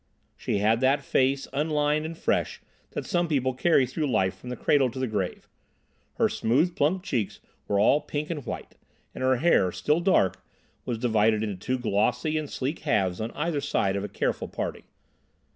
She had that face, unlined and fresh, that some people carry through life from the cradle to the grave; her smooth plump cheeks were all pink and white, and her hair, still dark, was divided into two glossy and sleek halves on either side of a careful parting.